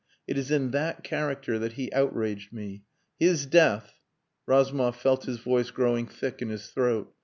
It is in that character that he outraged me. His death..." Razumov felt his voice growing thick in his throat.